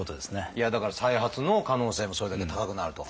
いやだから再発の可能性もそれだけ高くなると。